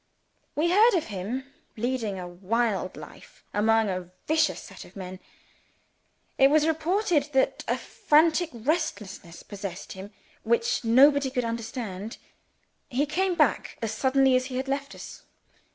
We heard of him, leading a wild life, among a vicious set of men. It was reported that a frantic restlessness possessed him which nobody could understand. He came back as suddenly as he had left us.